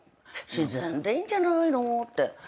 「自然でいいんじゃないの」って。